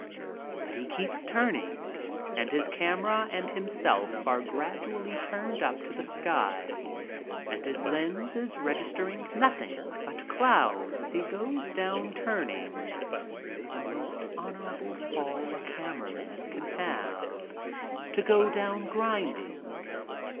But he keeps turning, and his camera and himself are gradually turned up to the sky, and his lens is registering nothing but clouds as he goes down turning — the most hon orable fall a camera man can have, to go down grinding.